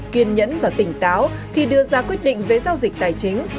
kiên nhẫn và tỉnh táo khi đưa ra quyết định về giao dịch tài chính